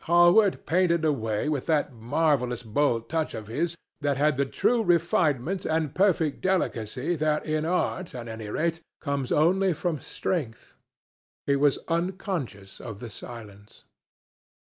Hallward painted away with that marvellous bold touch of his, that had the true refinement and perfect delicacy that in art, at any rate comes only from strength. He was unconscious of the silence.